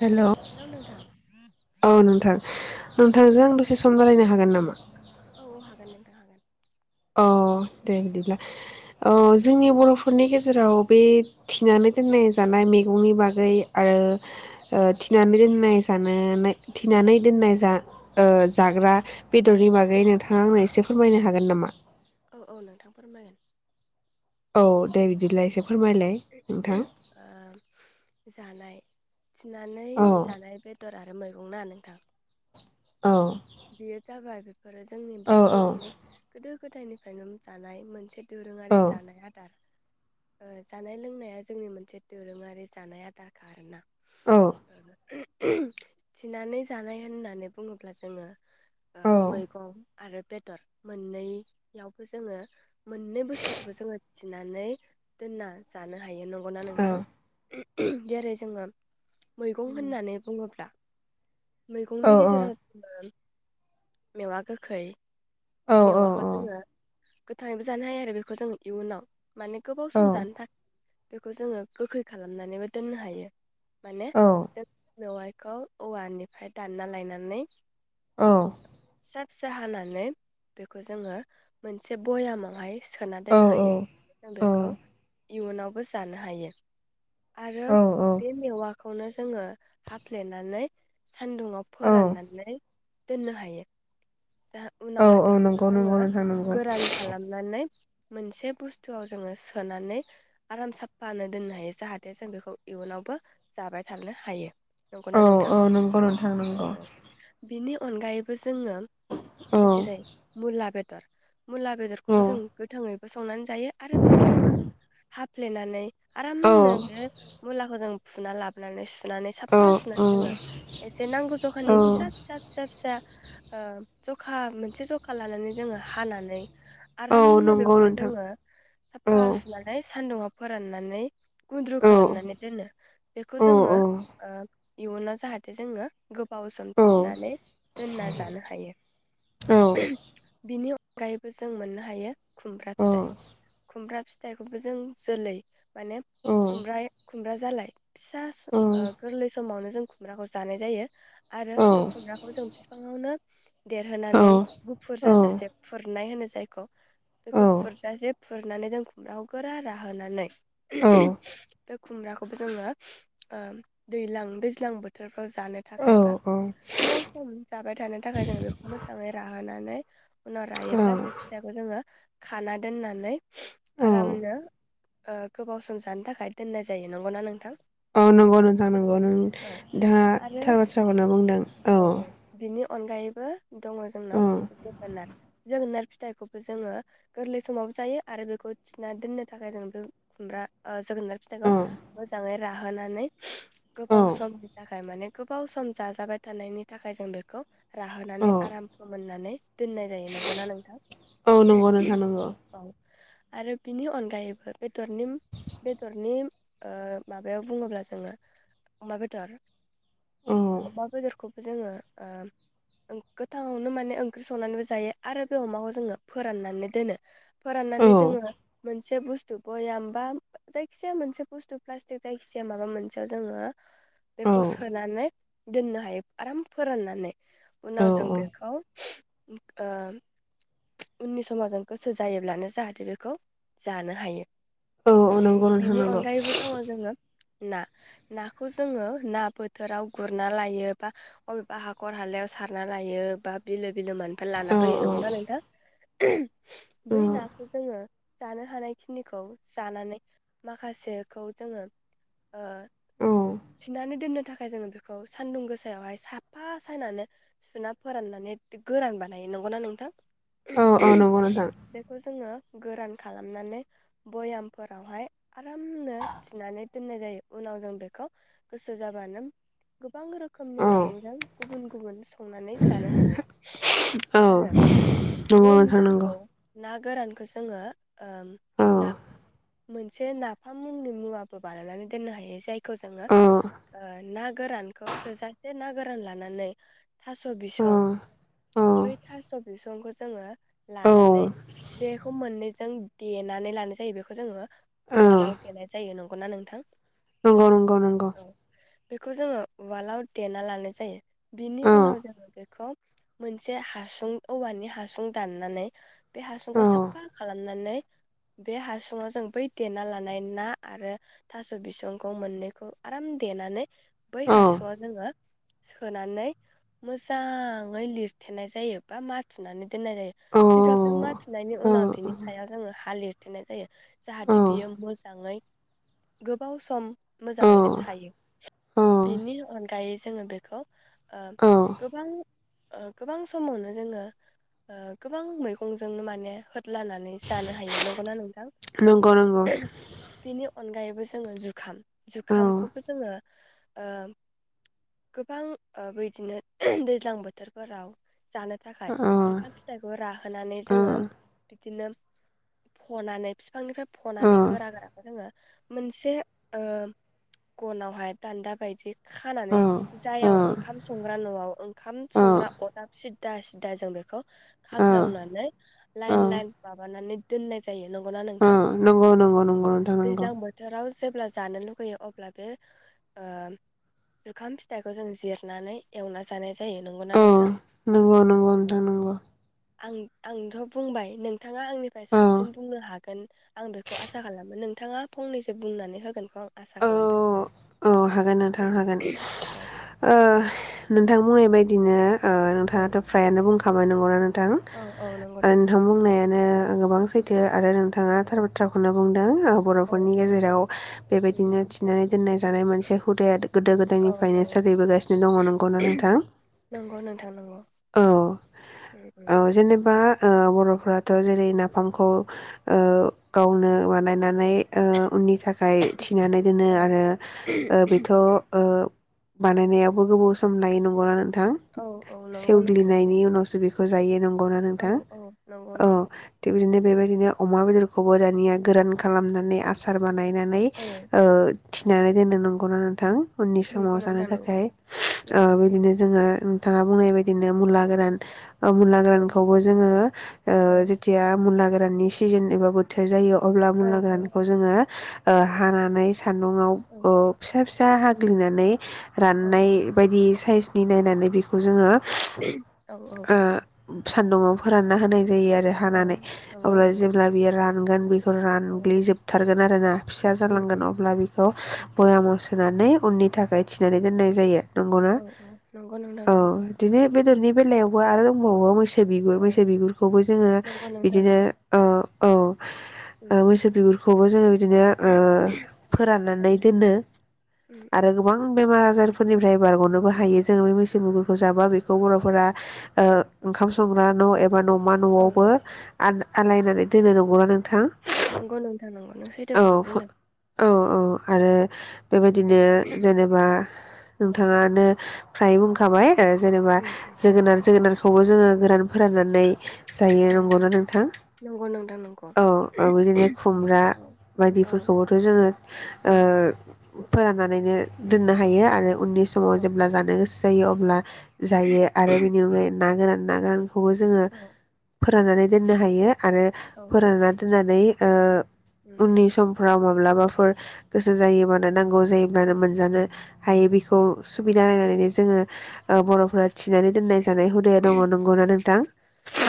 Hello औ नोंथां औ नोंथांजों आं दसे सम रायलायनो हागोन नामा औ औ हागोन नोंथां हागोन अ दे बिदिब्ला औ ओ जोंनि बर'फोरनि गेजेराव बे थिनानै दोननाय जानाय मैगंनि बागै आरो ओ [unintelligible] [unintelligible] दोननाय जानो नाय थिनानै दोननाय जा ओ जाग्रा औ बेदरनि बागै नोंथां [unintelligible] आंनो एसे फोरमायनो हागोन नामा? औ औ नोंथां फोरमायगोन। औ दे बिदिबला एसे फोरमायलाय नोंथां। ओ जानाय थिनानै औ जानाय बेदरा मैगंना नोंथां औ [unintelligible] बेफोरो जोंनि औ बर'फोरनि गोदो गोदायनिफ्रायनो जानाय मोनसे औ दोरोङारि जानाय आदार। ओ जानाय- लोंनाया जोंनि मोनसे दोरोङारि जानाय आदारखा आरोना। औ। थिनानै जानाय होननानै बुङोब्ला जोङो ओ औ मैगं आरो बेदर मोननैयावबो जोङो मोननै बुस्थुखौबो जोङो थिनानै दोनना जानो हायो नंगौना नोंथां? जेरै जोङो मैगं होननानै बुङोब्ला औ मैगंनि औ गेजेराव [unintelligible] मेवा गोखै मेवााखो जोङो गोथाङैबो जानो हायो आरो बेखौ जों इयुनाव माने गोबाव सम जानो [unintelligible] बेखौ जोङो गोखै खालामनानैबो दोननो हायो। माने औ [unintelligible] मेवाइखौ औवानिफ्राय दानना लायनानै औ फिसा- फिसा हानानै बेखौ जोङो मोनसे ब'यामावहाय सोना औ दोननो हायो [inaudible] जों बेखौ इयुनावबो जानो हायो आरो औ बे मेवा खौनो जोङो हाफ्लेनानै सान्दुंङाव औ फोराननानै दोननो हायो [inaudible] औ उनावहाय औ बेखौबो नंगौ नंगौ जोङो नोंथां नंगौ गोरान खालामनानै मोनसे बुस्थुआव जोङो सोनानै आराम सफानो दोननो हायो जाहाथे जों बेखौ इयुनावबो जाबाय थानो हायो नंगौना औ नोंथां? औ नंगौ नोंथां नंगौ बिनि अनगायैबो जोङो औ [unintelligible] जेरै मुला बेद दार मुला औ बेदरखौबो जों गोथाङै संनानै जायो आरो बेखौ जोङो [inaudible] फ्लेनानै औ आरामनो बे मुलाखौ जों फुना लाबोनानै सुनानै साफा औ सुनानै जोङो एसे नांगौ औ जखानि फिसा फिसा [inaudible] ओ जखा मोनसे जखा लानानै जोङो हानानै औ आरामनो नंगौ बेखौबो नोंथां जोङो औ साफा सुनानै सान्दुंङाव फोराननानै गुन्द्रु औ खालामनानै दोनो बेखौ औ जोङो ओ इयुनाव जाहाथे जोङो। पावसोम थिनानै दोनना जानो हायो। बिनि‌ अगायैबो जों मोननो हायो खुमब्रा औ फिथाइ औ खुमब्रा फिथाइखौबो जों जोलै माने खुमब खुमब्रा जालाय। फिसा गोरलै समावनो जों। खुमब्राखौ जानाय जायो। आरो बे खुरग्राखौ। बिफाङावनो देरहोनानै गुफुर जाजासे फुरनाय होनो जायखौ बेखौ फुरजासे फुरनानै जों खुमब्राखौ गोरा राहोनानै बे खुमब्राखौबो जोङो दैज्लां दैज्लां बोथोर। खौ जानो थाखाय बा गोबाव। जाबाय थानो थाखाय जों बेखौ मोजांङै राहोनानै। उनाव रायोब्ला बे फिथाइखौ जोंङो। खाना दोननानै आरामनो ओ गोबाव सम जानो थाखाय दोननाय जायो नंगौना नोंथां। औ नंगौ नोंथां नंगौ दा आरो थार बाथ्राखौनो बुंदों। औ औ बिनि अनगायैबो दंङ औ जोंनाव जोगोनार जोगोनार फिथाइखौबो जोङो गोरलै समावबो जायो आरो बेखौ थिना दोननो थाखाय जों बे खुमब्रा जोगोनार फिथाइखौ औ मोजांङै राहोनानै गोबाव औ समनि थाखाय माने गोबाव सम जाजाबाय थानायनि। थाखाय जों बेखौ राहोनानै औ आराम फोमोननानै दोननाय जायो नंगौना नोंथां। औ नंगौ नोंथां नंगौ। औ आरो बिनि अनगायैबो बेरनि बेदरनि ओ माबायाव बुङोब्ला जोंङो अमा बेदर औ अमा बेदरखौ। जोंङो ओ गोथाङावनो माने ओंख्रि संनानैबो जायो आरो बे अमाखौ जोंङो फोराननानै दोनो औ फोराननानै जोंङो मोनसे बुस्थु भयाम बा जायखिजाया मोनसे बुस्थु प्लास्टिक जायखिजाया माबा मोनसेयाव जोंङो। बेखौ सोनानै। दोन हायो आराम फोराननानै। औ उनाव जों बेखौ। ओ उननि समाव जों गोसो जायोब्लानो जाहाथे बेखौ जानो हायो। औ औ नंगौ नोंथां बिनि नंगौ अनगायैबो दंङ जोंङो। ना नाखौ जोंङो ना बोथोराव गुरना लायो। बा बबेबा हाखर हालायाव सारना लायो बा बिलो बिलो मोन। ओमफ्राय लाना औ फैयो नंगौनाा नोंथां। [unintelligible] औ बै नाखौ जोंङो। जानो हानायखिनिखौ जानानै माखासेखौ जोंङो ओ औ थिन्नानै दोननो थाखाय जोंङो बेखौ सान्दुं गोसा। सायावहाय साफा सायनानै सुना फोराननानै गोरान बानायो नंगौना नोंथां औ औ नंगौ नोंथां बेखौ जोंङो गोरान खालामनानै भयामफोरावहाय आरामनो थिनानै दोननाय जायो उनाव जों बेखौ गोसो जाबानो गोबां रोखोम रोखोमनि औ मैगंजों गुबुन गुबुन संनानै जानो हायो औ आरो बे नंगौ नोंथां नंगौ नाखौ ना गोरानखौ जोङो ओ औ नाब मोनसे नाफाम मुंनि मुवाबो बानायनानै दोननो हायो जायखौ जोंङो औ ओ ना गोरानखौ थोजासे ना गोरान लानानै थास' औ बिसं औ बै थास' बिसंखौ जोंङो लानानै औ बेखौ मोननैजों देनानै लानाय जायो बेखौ जोंङो औ उवालाव देनाय जायो नंगौना नोंथां नंगौ नोंगौ औ बेखौ जोंङो उवालाव देना लानाय जायो बिनि औ उनाव जोङो बेखौ मोनसे हासुं औवानि हासुं दाननानै। औ बेहासुंखौ साफा खालामनानै बे हासुवाव जों बै देना लानाय ना, आरो थास' बिसंखौ मोननैखौ आराम देनानै। बै औ हासुंवाव जोङो सोनानै मोजाङै लिरथेनाय जायो बा माथुनानै दोननाय जायो औ जिगाबजों माथ थुनायनि उनाव बिनि सायाव जोङो हालिर थेनाय जायो औ जाहाथे बियो मोजाङै गोबाव सम औ मोजाङैनो थायो। बेनि अनगायै जोङो बेखौ। ओ औ गोबां। ओ गोबां समावनो जोङो ओ गोबां मैगंजोंनो माने होदलानानै जानो हायो, नंगौना नोंथां? नोंगौ नोंगौ। बेनि अनगायैबो जोङो जुखाम। औ जुखामखौबो जोङो ओ गोबां ओ बिदिनो दैज्लां बोथोरफोराव जानो। थाखाय जुखाम फिथाइखौ राहोनानै जोङो बिदिनो फनानै बिफांनिफ्राय फनानै औ गोरा गोराखौ जोङो मोनसे ओ गनावहाय दान्दाब। बायदिब औ खानानै जायाव औ ओंखाम संग्रा न ओंखाम ओ संग्रा अरदाब सिदा सिदा जों बेखौ ओ खागदावनानै। ओ लाइन लाइन माबानानै दोननाय जायो नंगौना नों अ नोंगौ नोंगौ नोंगौ नोंथां नोंगौ। अब्ला जानो लुुबैयो अब्ला बे ओम जुखाम फिथाइखौ जों जिरनानै एवना जानाय जायो नोंगौना नोंथां। नोंगौ औ नोंगौ औ नोंथां नोंगौ। आं आंथ' बुंबाय, नोंथाङा आंनिफ्राय औ साबसिन बुंनो हागोन आं बेखौ आसा खालामो, नोंथाङा फंनैसो बुंनानै होगोनखौ आं आसा औ खालामबाय। औ हागोन नोंथां हागोन ओ नों नों बुंनाय बायदिनो आ नोंथाङाथ' फ्रायानो बुं खाबाय नांगौना नों थां औ औ नंगौ आरो नोंथां बुंनाया नो गोबां सैथो। आरो नोंथाङा थार उम बाथ्राखौनो बुंदों ओ बर'फोरनि उम गेजेराव बेबायदिनो थिनानै दोननाय जानाय मोन से हुदाया गोदो गोदायनिफ्रायनो सोलिबोगासिनो दङ नंगौना नोंथां? नंगौ नोंथां नंगौ औ उम औ उम जेनेबा ओ बर'फोराथ' जेरै नाफामखौ ओ गावनो बानायन नानै ओ उननि थाखाय थिनानै दोनो आरो ओ बेथ' ओ बानायनायावबो गोबाव सम लायो नंगौ नों थां औ औ नंगौ नोंथां नंगौ सेवग्लिनायनि उनावसो बे खौ जायो नों गौना औ नोंथां औ नंगौ औ नंगौ थिख बिदिनो बेबायदिनो अमा बेदर खौबो दानिया गोरान खालामनानै आसार बा नायनानै औ ओ थिनानै दोनो नं गौना नोंथां? उननि समाव नंगौ जानो नोंथां नंगौ थाखाय आ नंगौ नंगौ बिदिनो जोङो थाङा बुंनायबाय दिनो औ मुला गोरान ओ मुला औ गोरानखौबो जोङो औ ओ जिथिया मुला गो गोराननि सिजोन एबा बोथोर जायो अब्ला औ मुला औ गोरानखौ जोङो ओ हानानै सान्दुंआव औ फो फिसा हाग्लिनानै राननाय औ बायदि साइस नि नायनानै बि खौ जोङो औ औ ओ सान्दुंङआव फोरानना होनाय जायो आरो औ हानानै नंगौ अब्ला नंगौ जेब्ला बियो रां मोनगोन बे औ रानग्लि जोबथारग हागोन आरोना। फिसा उम जालांगोन उम अब्ला बेखौ औ सस होनानै उननि थाखाय थिनानै दोननाय जायो। नंगौना औ औ नंगौ नोंथां औ नंगौ बिनो बेदरनि बेलायावबो आरो दंबावो मोस मैसो बिगुर औ मैसो बिगुरखौबो जोङो नंगौ नोंथां बिदिनो नंगौ उम - औ। उम ओ उम मोसौ बिगुरखौबो जोङो बिदिनो औ फोराननानै उम उम आरो गोबां बेमार बाजारफोरनिफ्राय बारग'नोबो हायो जों बे मैस मुगुरखौ जाबा बेखौ बर'फोरा ओ ओंखाम संग्रा न' एबा बा न'मा औ न'आवबो औ आ आलायनानै दोननो नंगौना नोंथां? नंगौ नोंथांनांगौ नों औ सैथोखौनो बुंदों। औ औ आरो बेबायदिनो जेनेबा औ नोंथाङानो फ्राय बुंखाबाय जेनेबा उम उम जोगोनार जोगोनार जोगोनारखौ बेखौबो जोङो गोरान फोराननानै जायो औ औ नंगौना नोंथां नंगौ नोंथां नंगौ औ औ बिदिनो खुमब्रा औ औ बायदिफोरखौबोथ' जोङो औ ओ फोराननानैनो दोननो हायो आरो उननि समाव औ जेब्ला जानो गोसो जायो अब्ला जायो आरो बेनि अनगायै ना गोरान नाथाय खौबो जोङो औ फोराननानै दोननो हायो आरो औ औ फोरानना दोननानै ओ उम उम उननिस'मफोराव माब्लाबाफोर गोसो जायोबानान नांगौ औ जायोब्लानो मोनजानो। हायो बेखौ। औ सुबिदायनानैनो जोङो। ओ बर'फोराज थिनानै दोननाय जानाय हुदाया दङ नंगौना नोंथां।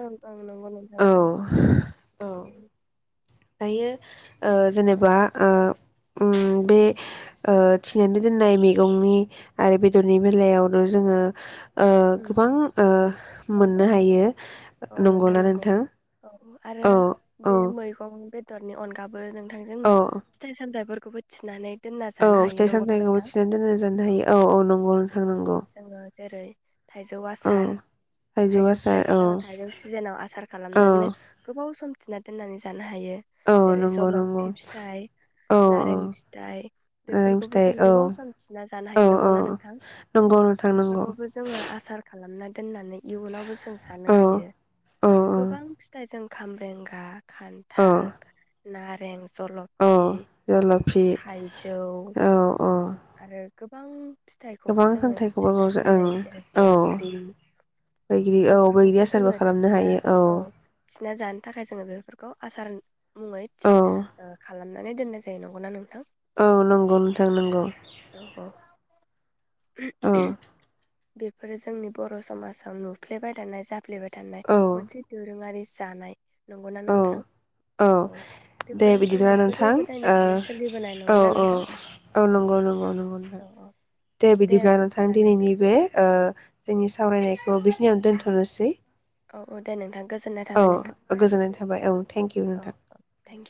ओं ओं नोंगौ नोंथां औ नोंगौ। औ दायो ओ जेनेबा ओ उम बे ओ थिनानै दोननाय मैगंनि आरो बेदरनि बेलायावनो जोङो। ओ उम गोबां उम ओ औ औ मोननो हायो औ नंगौला नंगौ नोंथां। औ आरो औ औ बे मैगं बेदरनि अनगा बो‌ नोंथां औ जोंङो फिथाइ सामथय फोर खौबो थिनानै दोनना औ जानो हायो फिथाइ नंगौना सामथायाइखौबो नोंथां थिनानै दोनना जानो हायो औ औ नंगौ नोंथां औ नंगौ। जोङो जेरै थाइजौ औ आसार थाइजौ आसार फिथाइखौ औ जोङो थाइजौ सिजेनाव आसार औ खालामनानै गोबाव सम थिना दोननानै जा नो हायो। औ जेरै नंगौ नंगौ जलफि फिथाइ, औ औ नारें फिथाइ नारें बेफोरखौबो फिथाइ जों औ गोबाव सम थिना जानो औ हायो औ नोंगौना नोंथां? नंगौ नोंथां नंगौ बेफोरखौबो जोङो खालामना दोननानै इयुनावबोसो जों सानो औ हायो। औ गोबां फिथाइ जों खामब्रेंगा, औ खान्थाल, नारें, औ जलफि, जलफि थाइजौ औ औ आरो गोबां फिथाइखौबो गोबां जोङो खामथायखौबो थिना बावजा दोननाय ओं जायो। जेरै औ बैग्रि बैग्रि औ बैग्रि बेफोरखौबो आसारबो जोङो खालामनो थिना हायो औ थि ना जानो थाखाय जोङो बेफोरखौ आसार मुङै औ थिस ओ खा खालामनानै दोननाय जायो नंगौना नोंथां? औ नोंगौ नोंथां नंगौ। औ औ औ [inaudible] बेफोरो जोंनि बर' समाजाव नुफ्लेबाय थानाय जा सफ्लेबाय थानाय औ मोनसे दोरोङारि जानाय। नंगौना औ नोंथां औ दे बेफोर बिदिब्ला जोंनि गोदो नोंथां गोदायनिफ्रायनो सोलिबोनाय ओ नंगौना औ औ नोंथां औ नंगौ नंगौ नंगौ नोंथां औ दे बिदिब्ला नोंथां दिनैनि बे ओ जोंनि सावरायनाय [unintelligible] बेखिनियावनो दोनथ'नोसै औ औ दे नोंथां गोजोननाय थाबाय नोंथां औ गोजोननाय थाबाय औ थेंक इउ औ नोंथां। Thank you